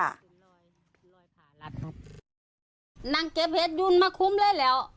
นางเกฟเฮดยุนมาคุ้มเลยแล้ว